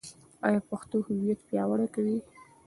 ایا پښتو هویت پیاوړی کوي؟